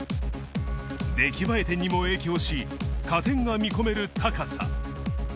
出来栄え点にも影響し、加点が見込める高さ。